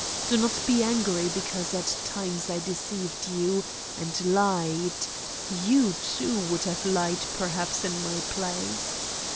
Do not be angry because at times I deceived you and lied you, too, would have lied perhaps in my place.